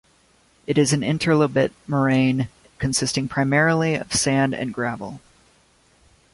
It is an interlobate moraine, consisting primarily of sand and gravel.